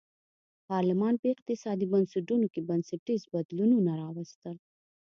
پارلمان په اقتصادي بنسټونو کې بنسټیز بدلونونه راوستل.